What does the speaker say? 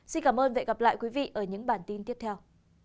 xin cảm ơn và hẹn gặp lại các bạn trong những bản tin tiếp theo